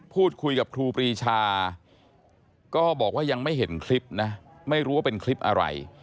พูดคุยกับครูปรีชาก็บอกว่ายังไม่เห็นคลิปนะไม่รู้ว่าเป็นคลิปอะไร